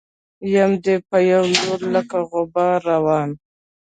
يم دې په يو لور لکه غبار روان